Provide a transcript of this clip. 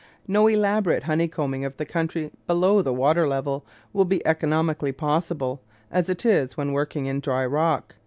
No elaborate honeycombing of the country below the water level will be economically possible as it is when working in dry rock.